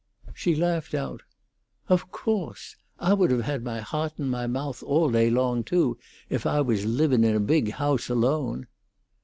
She laughed out. "Of coase! Ah would have my hawt in my moath all day long, too, if Ah was living in a big hoase alone."